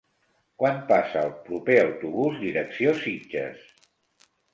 Quan passa el proper autobús direcció Sitges?